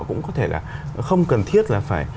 cũng có thể là không cần thiết là phải